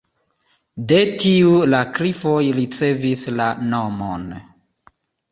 De tiu la klifoj ricevis la nomon.